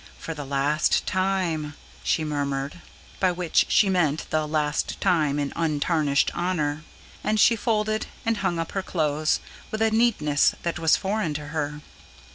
"For the last time," she murmured; by which she meant the last time in untarnished honour. And she folded and hung up her clothes, with a neatness that was foreign to her.